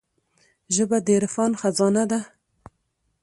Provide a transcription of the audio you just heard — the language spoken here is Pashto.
ژبه د عرفان خزانه ده